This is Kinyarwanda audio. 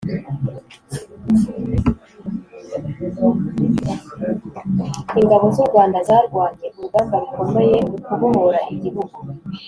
Ingabo zurwanda zarwanye urugamba rukomeye mukubohora igihugu